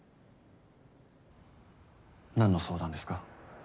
何の相談ですか？